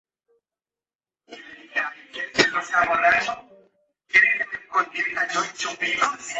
En un sentido restringido, los indicadores son datos.